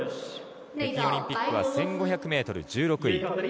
北京オリンピックは１５００ｍ１６位。